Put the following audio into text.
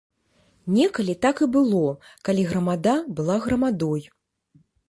Некалі так і было, калі грамада была грамадой.